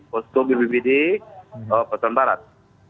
posto bbb di pasar barat